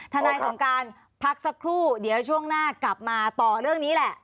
ทนายสงการพักสักครู่เดี๋ยวช่วงหน้ากลับมาต่อเรื่องนี้แหละ